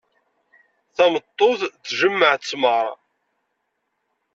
Tameṭṭut tjemmeɛ tmeṛ.